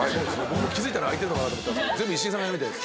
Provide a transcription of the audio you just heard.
気付いたら開いてるのかなと思ったら全部石井さんがやるみたいです。